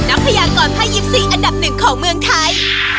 นักพยากรพ่ายีปซีอันดับหนึ่งของเมืองไทย